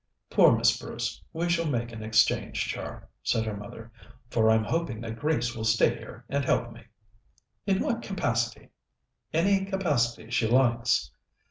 "Poor Miss Bruce! We shall make an exchange, Char," said her mother, "for I'm hoping that Grace will stay here and help me." "In what capacity?" "Any capacity she likes."